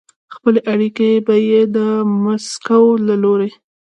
خپلې اړیکې به یې د مسکو له لوري